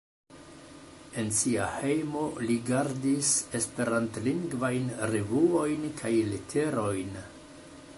En sia hejmo li gardis esperantlingvajn revuojn kaj leterojn.